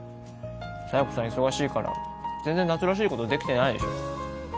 佐弥子さん忙しいから全然夏らしいことできてないでしょ